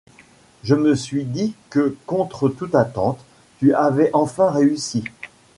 Je me suis dit que, contre toute attente, tu avais enfin réussi.